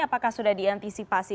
apakah sudah diantisipasi